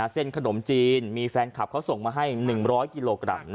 ขนมจีนมีแฟนคลับเขาส่งมาให้๑๐๐กิโลกรัม